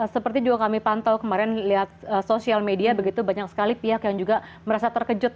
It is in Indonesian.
seperti juga kami pantau kemarin lihat sosial media begitu banyak sekali pihak yang juga merasa terkejut